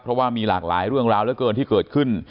เพราะว่ามีหลากหลายเรื่องราวที่เกิดขึ้น